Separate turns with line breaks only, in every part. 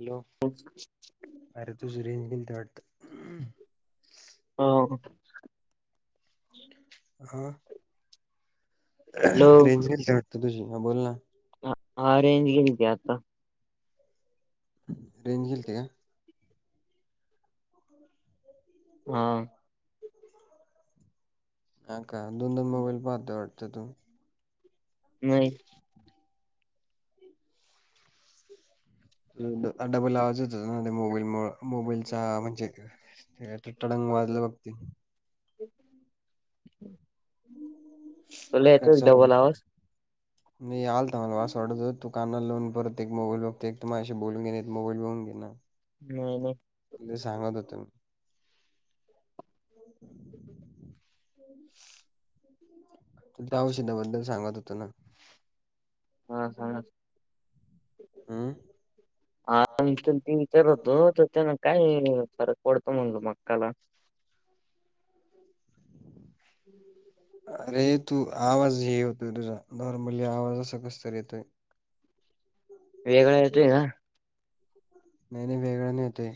Hello! अरे तुझी ring [unintelligible] [inaudible]
हो
[unintelligible] हा,
हॅलो
रेंज गेलत वाटत तुझी, हा बोल ना.
ह हा रेंज गेलते आता.
रेंज गेलती का?
हा.
हा का? दोन-दोन मोबाईल पाहते वाटत तू.
नाही.
आ डबल आवाज येत ना ते मोबाईल मोबाईलचा म्हणजे [unintelligible] वाजले होती. [inaudible]
तुला
[unintelligible] कस
येतोय डबल आवाज
नाही आलता मला अस वाटतं तू काना लाऊन परत एक मोबाईल बघते एक तु माझ्याशी बोलून घेणे एक मोबाईल बघून घे. [unintelligible]
नाही बघ.
म ते सांगत होते म. [inaudible] त्या औषधाबद्दल सांगत होतं ना.
हा हा.
अं
आ ते विचार होतो तर त्यांना काय फरक पडतो म्हणजो मक्काला. [inaudible]
अरे तू आवाज हे यतोय तुझा नॉर्मली आवाज असा कस त येतोय.
वेगळा येतय का?
नाही नाही वेगळं नाही ते.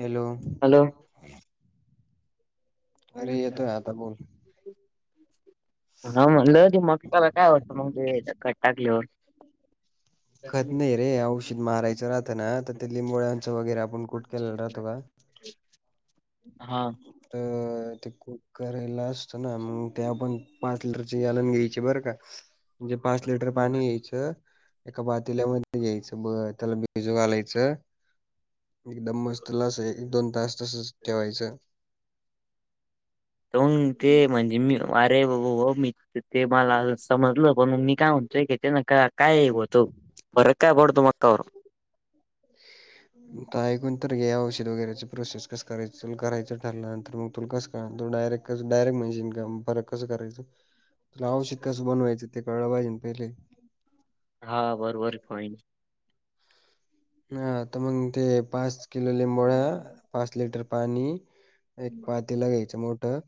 हॅलो!
हॅलो!
[unintelligible] अरे येतो आता बोल.
हा म्हणलं हो मग त्याला काय वाटतं मग खत टाकलेवर.
खत नाही रे
[unintelligible]
औषध मारायचं राहत ना तर ते लिंबोळ्यांचं वगैरे आपण कुठ केला राहतो बा.
[inaudible] हा.
तर ते कु करायला असतं ना मग त्या पण पाच लिटरचे जालन घ्यायचे बरं का, म्हणजे पाच लिटर पाणी घ्याचं. एका पातिल्यामध्ये घ्याचं ब त्याला बिजू घालायचं. एकदम मस्त ला एक दोन-तास तसच
हा.
ठेवायचं.
तर ते म्हणजे मी अरे बा हो मी ते मला समजलं पण म मी काय म्हणतो की तेन क-काय होत फरक काय पडत मक्कावर.
[unintelligible] ऐकून तर घे औषध वगैरेची प्रोसेस कस करायच तु करायचं ठरलंनंतर मग तुला कस त्यानंतर डायरेक्ट क डायरेक्ट मशिन फरक कस करायचं. तुला औषध कसं बनवायचं ते कळलं पाहिजे पहिले.
हा बरोबर प्वाइंट.
ह त मग तेे पाच किलो लिंमबोडा, पाच लिटर पाणी, - एक पातील घ्याचं मोठं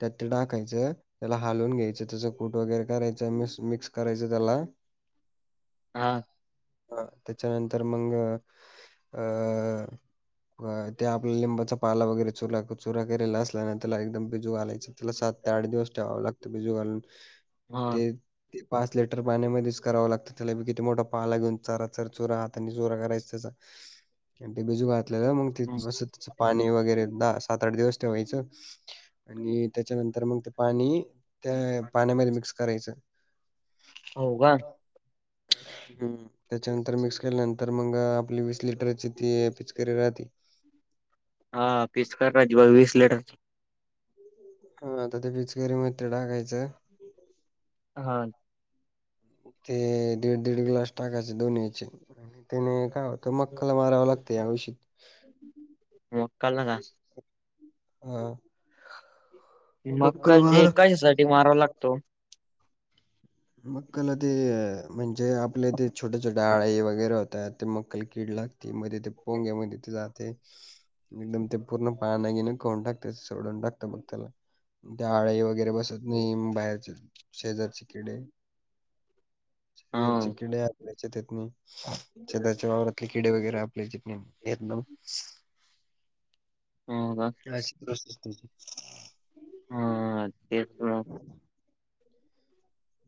त्यात ते टाकायचं त्याला हालून घ्यायचं त्याचं कूट वगैरे करायचं म्स मिक्स करायचं त्याला. [inaudible]
हा
हा, त्याच्यानंतर मग अ व्हय, ते आपला लिंबाचा पाला वगैरे चुरा चोरा करेल न असल्या त्याला एकदम बिजू घालायचं. त्याला सात ते आठ दिवस ठेवावं लागतं बिजू घालून
हा
ते. ते पाच लिटर पाण्यामध्येच कराव लागत त्यालाी किती मोठा पाला घेऊन चारा चर चोरा हात आणि जोरा करायच त्याचा आणि ते बिजू घातलेला म
हं.
बसत पाणी वगैरे दहा, सात-आठ दिवस ठेवायचं. आणि त्याच्यानंतर मग ते पाणी त्या पाण्यामध्ये मिक्स करायचं.
हो का?
हम्म त्याच्यानंतर मिक्स केल्यानंतर मग आपली वीस लिटरची ती पिचकरी राहते.
हा पिस्कार राज वीस लिटरची.
हा आता ते बिचकरी म ते टाकायचं.
हा.
ते दीड-दीड ग्लास टाकायचे दोन्हीचे आणि त्याने काय होत मक्कला माराव लाग त्या औशित. [unintelligible]
मकाल ना का. [unintelligible]
हा.
मग काय, जे कशासाठी मारावा लागतो.
मक्कल, ते म्हणजे आपले ते छोटे-छोटे आळेई वगैरे होतात, ते मक्कल किडलात. मध्ये ते पोंग्यामध्ये ते जाते. एकदम ते पूर्ण पा नाही घे न करून टाकते, सोडून टाकत बघ त्याला. त्या
हा
आळाई वगैरे बसत नाही, बाहेरचे शेजारचे किडे. शेजरचे किडे आपल्या शतीेतने शेजचे वावरात क्रिकेडे वगैरे आपल्या जथे आहेत ना
हो का.
[unintelligible]
हा तेच न.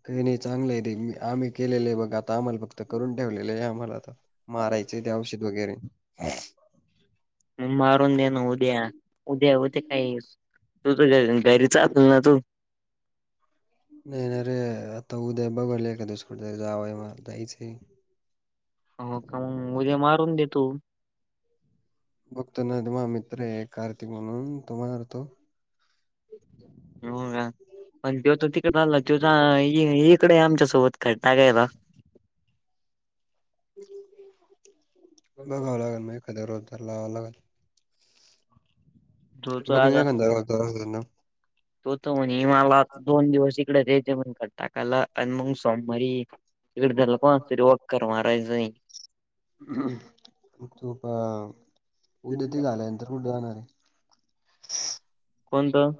काही नाही, चांगलं आहे ते. आम्ही केलेलं आहे बघ, आता आम्हाला फक्त करून ठेवलेलं आहे आम्हाला आता. मारायच ते
मग.
औषध वगैरे.
मारून दे ना उद्या, उद्या, उद्या काही तू घरी चाल असल ना तू.
नाही ना रे, आता उद्या बघू एखादंसं जावंय मग जायचं.
हो का मग उद्या मारून देतू.
बघतो ना, तुम्हा मित्र आहे कार्तिक म्हणून तुम्हाार तो.
हो का, पण तेव तर तिकडे झाला त इकडे आमच्यासोबत का टाकायला.
बघावं लागेल, मग एखाद्या रोजदार लावं लागलं.
तो तो
बघनया
आता
खतना. [unintelligible]
तो तर म्हण हिमाल दोन दिवस इकडे रेज म्हण कर टाकायला आणि मग सोमवारी इडदला पा तरी वॉककर मारायचं.
तो प उद्या ते झालाय नंतर कुठे जाणार आहे.
कोणतं.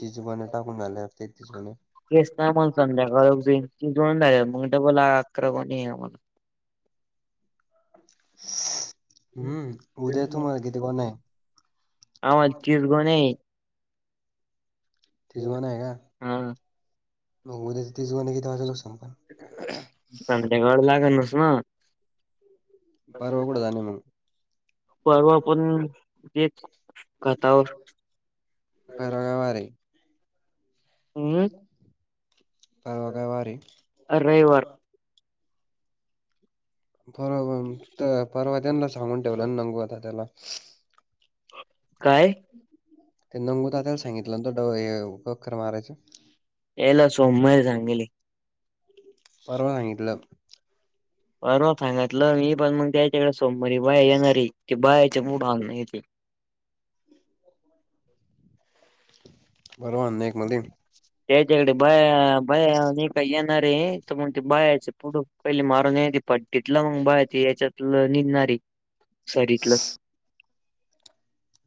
तिच गणे टाकून झालेते तिच गणे
तेच ना मग संध्याकाळी दोन झालेयात मग डबल आक्रमण आहे मला.
[inaudible] हम्म उद्या तू मला किती कोण आहे.
आम्हाला तीस गोण्या आहे
तिजवा नाही आहे का,
हा
बघू तेिजवा ना की त्याच्याच लोक सांग पण.
संध्या गाळ लाग नस ना.
परर्वा कुठं जाणार मग.
परर्वा पण तेच घातावर.
परगावारी.
हम्म
परवा काय वारी.
रविवार.
पर परवा तेव्हा सांगून ठेवलं ना, नंगू आता त्याला. काय [unintelligible] ते नंगूत दादाला सांगितलं नत ड वक्करर मारायच.
ला सोमवारी सांगेली.
परवा सांगटलं.
परवा सांगितलं मी पण, मग त्याच्याकडे सोमवारी बाया येणारी की बायाचे मु भाग नाही.
बरोब नाही एक मध्ये
त्याच्याकडे बाया बाया का येणार आहे तरण, ते बायाचे पुढे. पहिली मारून य ती पट्टीतलं, मंग बाळ त याच्यातलं निदणारी सरीतलं.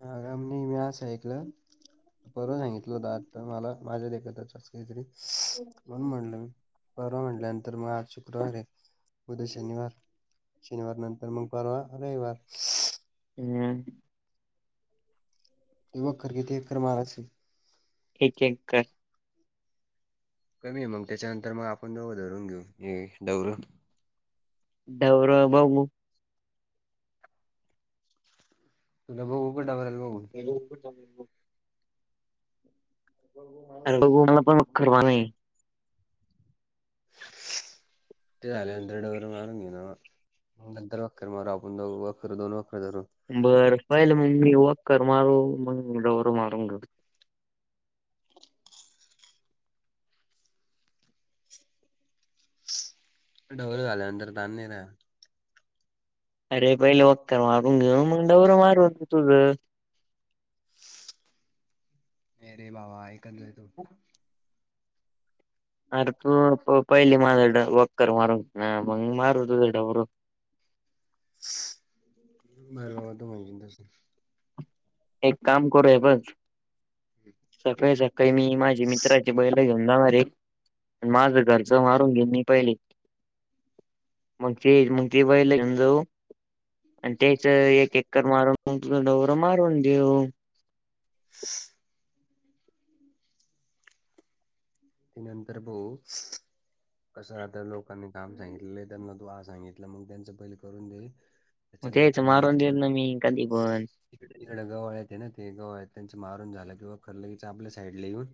हा का मी बी असं ऐकलं परवा सांगितलं दाट मला माझ्यादेखतच अस काहीतरी म्हणून म्हणलं मी परवा म्हटल्यानंतर मग आज शुक्रवार आहे उद्या शनिवार शनिवार नंतर मग परवा रविवार
हम्
ते वखर किती एकर मारायचं
एक एकर
कमी आहे मग त्याच्यानंतर मग आपण दोघ धरून घेऊ हे दौरं
डवर बघु
तुला बघू डवर्याल बघू
ते अरे बघू मला पण वखर नाही
ते झाल्यानंतर डवर मारुन घेऊ नंतर वखर मारून आपण वखर दोन धरू
बरं पाहिलं मग मी वख्खर मारू मग डवर मारून घेतो
ढवर झाल्यानंतर ताण नाही राहत
अरे पहिले वख्खर मारून घेऊ मग डवरा मारून तुझं
नाही रे बाबा ऐकंत जाय तू
अरे तू पहिली माझ वख्खर मारून ना मंग मारू तुझ डवर
बर बाबा तु म्हणशील तसं
एक काम करू हे बस सकाळी सकाळी मी माझी मित्राची बैला घेऊन जाणार आहे माझं घरचं मारून घेईन मी पहिले मग ते मग ते बैल घेऊन जाऊ आणि त्याच एक एकर मारून तुझ डवर मारून देऊ
[inaudible] नंतर भो कसं आता लोकांनी काम सांगितलेलं त्यांना तू हा सांगितलं मग त्यांच पहिले करून दे
म तेच
त्याच्यानंतर
मारून देइना मी कधी पण
त तिकड गवळ आहेत ना ते गवळ आहेत त्यांच मारून झालं कि खर लगेच आपल्या साईड ला येऊन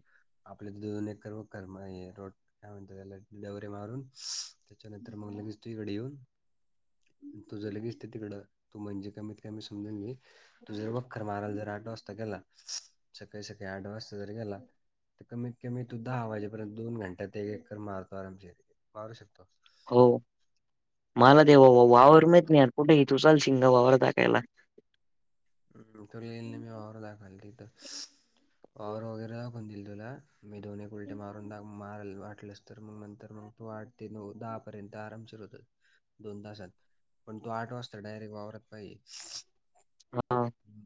आपल्या दोन एकर वखर रोट काय म्हणत त्याला डवरे मारून त्याच्यानंतर मग लगेच तु इकडे येऊन तुझ लगेच ते तिकडं तू म्हणजे कमीत कमी समजून घे तू जर वखर माराला जर आठ वाजता गेला सकाळी सकाळी आठ वाजता जर गेला तर कमीत कमी तू दहा वाजेपर्यंत दोन घंट्या ते एक एक कर मारतो मारू शकतो
हो मला ते व वा वावर मात नाही कुठेही तु चालशील का वावर दाखायला
हम तुला नेईल ना मी वावर दाखयला तिथ वावर वगैरे दाखुन देइल मी दोने एक उल्टे मारून दा मारल वाटलेस तर मग नंतर मग तु आठ ते नऊ दहा पर्यंत आराम सीर होतात दोन तासात पण तू आठ वाजता डायरेक्ट वावरत पाहिजे
हा
हम्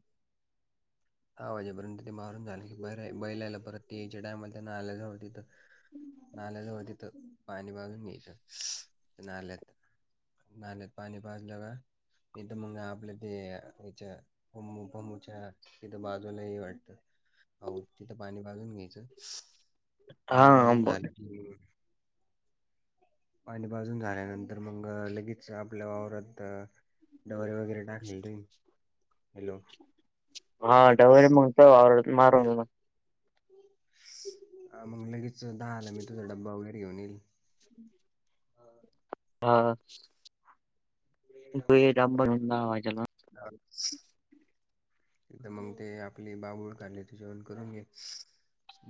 दहा वाजेपर्यंत ते मारून झाले का ब बैलाला परत ते यायच्या टायमला त्यांना आलं जावं तिथं नाल्याजवळ तिथे पाणी बघून घ्यायचं. नाल्यात नाल्यात पाणी पाजले का नाही तर मग आपल्या ते याच्या फमु फमूच्या तिथं बाजूलाये वाटतं? आऊ तिथं पाणी बाजून घ्यायचं. पाणी
हा
पाजून
ब-
झालं कीं पाणी पाजून झाल्यानंतर मंग लगेच आपल्या वावरात्त डवर वगेरे टाकलेय काई, हलो
हा डवळ म्हणून तर [unintelligible] मार [unintelligible] ना
अ मग लगेच दहाला मी तुझा डब्बा वगरे घेऊन येईल.
हा हा [unintelligible]
आ मंग ते आपली बाबूळ काट्याची जेवण करून घे.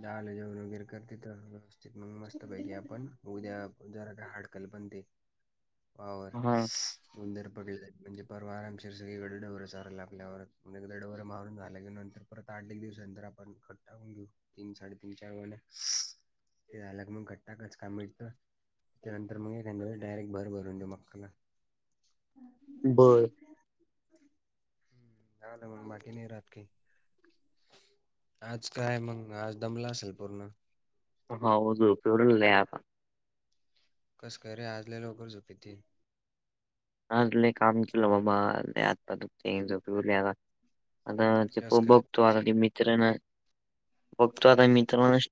दाला जेवण वगरे करते त मस्त पैकी आपण, उद्या जरा, हाडकल पण ते वावर
हा
हशश उंदीर पघले म्हणजे परवा आरामशीर सगळे घडल्यावर सारं येईल आपल्यावर. एक दड वर मारून झालं नंतर परत आठ एक दिवसानंतर आपण खत टाकून घेऊ. तीन साडेतीीन चार वेण, क्स ते झालं की मंग गट्टा घच काय मिळतं? त्यानंतर मग एखांद्या वेळीस डायरेक्ट भर भरून देऊ मक्काला.
बरं.
त्यावळला मंग बाटली नहीं राहत कायी. आज काय मंग आज दमला असाल पूर्ण?
[unintelligible] आता.
कस काय रे आज लई लवकर झोप येतीय?
हंज् लई काम केलं बाबा, आत्ता त [unintelligible] आता ते तो
कसं
बघतो
काय
आता, ते मित्रय ना? बघतो आता मित्रुनच